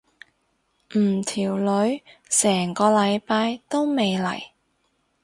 唔條女成個禮拜都未嚟。